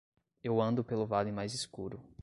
Eu ando pelo vale mais escuro.